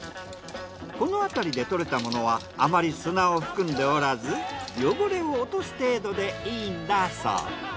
この辺りで獲れたものはあまり砂を含んでおらず汚れを落とす程度でいいんだそう。